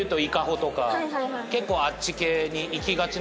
結構あっち系に行きがち。